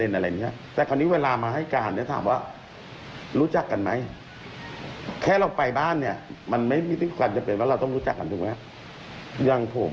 หรือผมจะรู้จักคุณไหมก็ไม่มีแค่รู้ถูกไหม